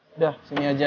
udah sini aja